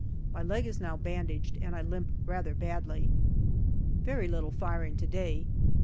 My leg is now bandaged, and I limp rather badly. JUNE 127 Very little firing to day.